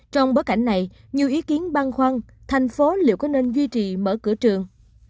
trong bối cảnh này nhiều ý kiến băn khoăn thành phố liệu có nên duy trì mở cửa trường